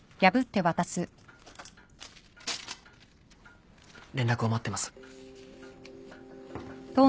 連絡を待ってます。